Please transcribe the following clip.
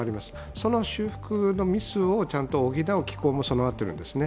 その修復のミスを補う機構も備わっているんですね。